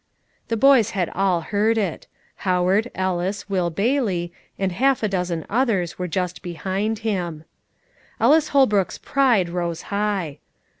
The boys had all heard it. Howard, Ellis, Will Bailey, and a half dozen others, were just behind him. Ellis Holbrook's pride rose high.